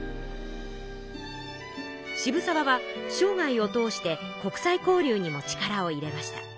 渋沢はしょうがいを通して国際交流にも力を入れました。